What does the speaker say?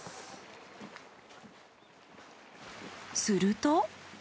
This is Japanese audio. すると。